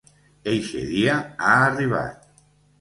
Eixe dia ha arribat.